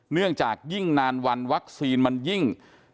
เนื่องจากยิ่งนานวันวัคซีนมันยิ่ง